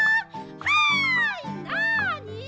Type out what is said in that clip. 「はいなあに？」。